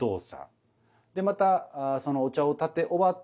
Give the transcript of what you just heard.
でまたそのお茶を点て終わった